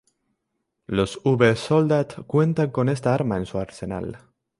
Los Uber-Soldat cuentan con esta arma en su arsenal.